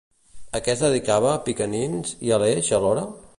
A què es dedicava Picanins i Aleix alhora?